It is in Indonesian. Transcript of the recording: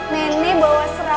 nenek bawa seragam